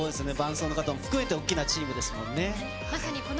伴走の方も含めて大きなチームですもんね。